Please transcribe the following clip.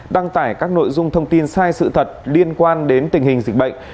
đăng tải các nội dung thông tin sai sự thật liên quan đến tình hình dịch bệnh